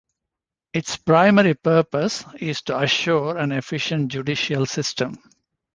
Its primary purpose is to assure an efficient judicial system.